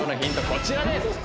こちらですえっ？